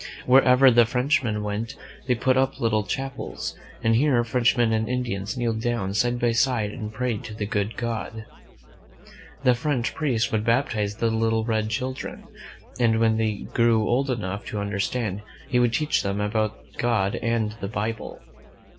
Wherever the Frenchmen went, they put up little chapels, and here Frenchmen and Indians kneeled down side by side and prayed to the good God. The French priest would bap tize the little red children, and when they grew old enough to understand, he would teach them about God and the Bible.